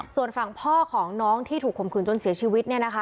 ส่วนฝั่งพ่อของน้องที่ถูกข่มขืนจนเสียชีวิต